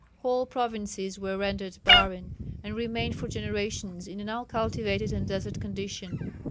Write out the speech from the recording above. Whole provinces were rendered barren, and remained for generations in an uncultivated and desert condition.